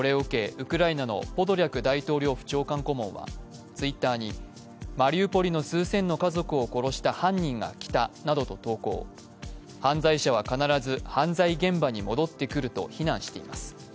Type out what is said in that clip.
ウクライナのポドリャク大統領府長官顧問は、Ｔｗｉｔｔｅｒにマリウポリの数千の家族を殺した犯人が来たなどと投稿犯罪者は必ず犯罪現場に戻ってくると非難しています。